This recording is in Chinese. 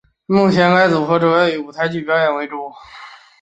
目前该组合主要以舞台剧表演为主。